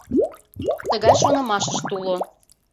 — Тыгай шонымашышт уло.